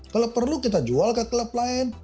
kalau perlu kita jual ke klub lain